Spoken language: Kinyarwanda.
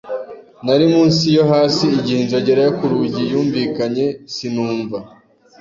Nari mu nsi yo hasi igihe inzogera yo ku rugi yumvikanye, sinumva.